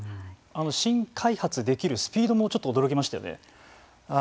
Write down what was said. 新開発できるスピードもちょっと驚きましたよね。